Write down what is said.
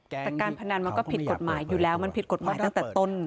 แต่การพนันมันก็ผิดกฎหมายอยู่แล้วมันผิดกฎหมายตั้งแต่ต้น